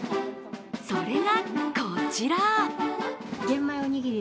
それがこちら。